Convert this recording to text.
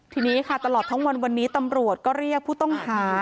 ทีนี้ค่ะตลอดทั้งวันวันนี้ตำรวจก็เรียกผู้ต้องหา